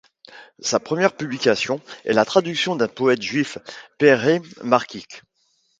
Sa première publication est la traduction d'un poète juif, Perets Markich.